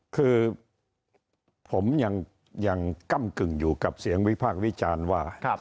คือผมยังก้ำกึ่งอยู่กับเสียงวิพากษ์วิจารณ์ว่า